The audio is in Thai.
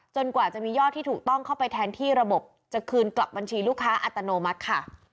กว่าจะมียอดที่ถูกต้องเข้าไปแทนที่ระบบจะคืนกลับบัญชีลูกค้าอัตโนมัติค่ะ